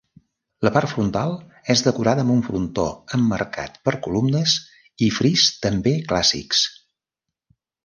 La part frontal és decorada amb un frontó emmarcat per columnes i fris també clàssics.